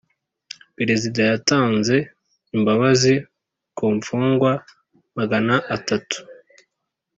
perezida yatanze imbabazi kumfungwa magana atatu